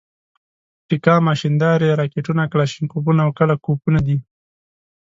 پیکا ماشیندارې، راکېټونه، کلاشینکوفونه او کله کوفونه دي.